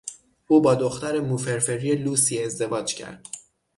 او با دختر مو فرفری لوسی ازدواج کرد.